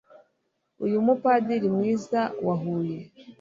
uyu mupadiri mwiza wa huye